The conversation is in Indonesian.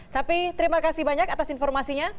tapi terima kasih banyak atas informasinya